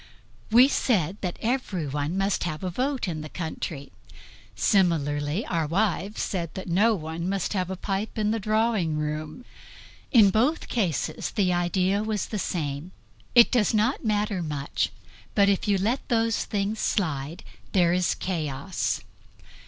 We said that everyone must have a vote in the country; similarly our wives said that no one must have a pipe in the drawing room. In both cases the idea was the same. "It does not matter much, but if you let those things slide there is chaos."